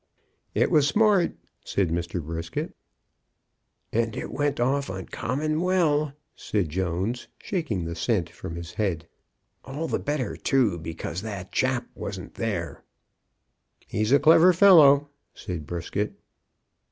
"It was smart," said Mr. Brisket. "And went off uncommon well," said Jones, shaking the scent from his head. "All the better, too, because that chap wasn't here." "He's a clever fellow," said Brisket.